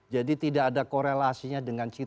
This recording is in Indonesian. jadi tidak ada korelasinya dengan ibadah